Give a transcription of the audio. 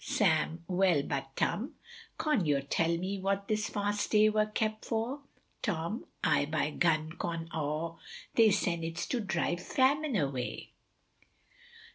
Sam Well but Tum, con yor tell me what this fast day wur kept for. Tom Aye by gum con aw, they sen it's to drive famine away.